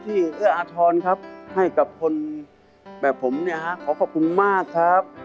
ที่เอื้ออาทรอนครับให้กับคนแบบผมขอขอบคุณมากครับ